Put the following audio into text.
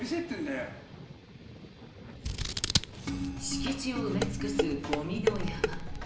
敷地を埋め尽くすゴミの山。